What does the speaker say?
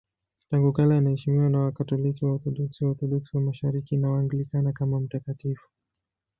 Tangu kale anaheshimiwa na Wakatoliki, Waorthodoksi, Waorthodoksi wa Mashariki na Waanglikana kama mtakatifu.